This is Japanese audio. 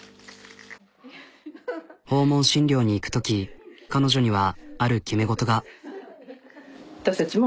訪問診療に行くとき彼女にはある決めごとが。